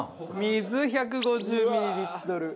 水１５０ミリリットル。